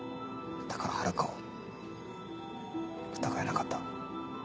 だから陽香を疑えなかった。